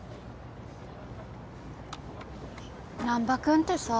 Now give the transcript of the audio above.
難破君ってさ。